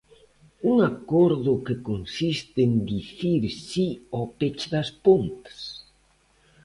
¿Un acordo que consiste en dicir si ao peche das Pontes?